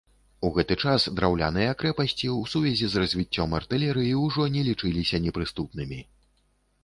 У гэты час, драўляныя крэпасці, у сувязі з развіццём артылерыі, ужо не лічыліся непрыступнымі.